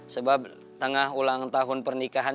sebab tengah ulang tahun pernikahan